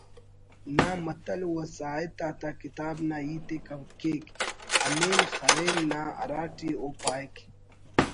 نا متل وساہت آتا کتاب نا ہیت ءِ کیک ’ہنین خرین‘ نا ہراٹی او پاہک